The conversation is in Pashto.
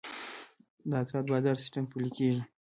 د ازاد بازار سیستم پلی کیږي